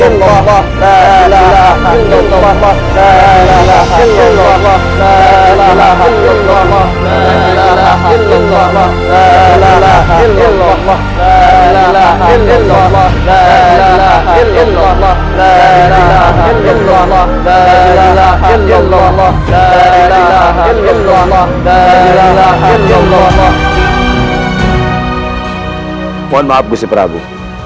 mohon maaf gusir prabu